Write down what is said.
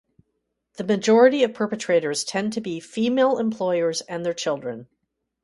The majority of perpetrators tend to be female employers and their children.